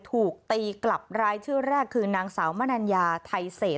ถูกตีกลับรายชื่อแรกคือนางสาวมนัญญาไทยเศษ